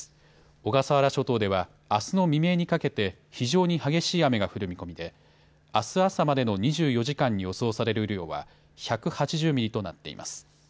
小笠原諸島ではあすの未明にかけて非常に激しい雨が降る見込みであす朝までの２４時間に予想される雨量は１８０ミリとなっています。